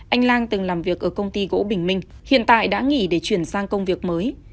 anh lang từng làm việc ở công ty gỗ bình minh hiện tại đã nghỉ để chuyển sang công việc mới